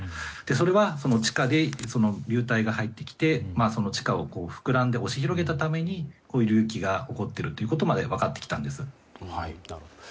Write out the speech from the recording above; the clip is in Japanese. それは、地下で流体が入ってきて地下を膨らんで押し広げたために隆起が起こっていることまで分かってきたんです。